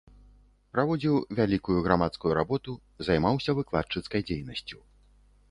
Праводзіў вялікую грамадскую работу, займаўся выкладчыцкай дзейнасцю.